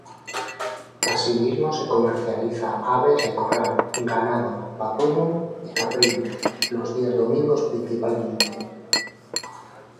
Asimismo se comercializa aves de corral, ganado vacuno y caprino, los días domingos principalmente.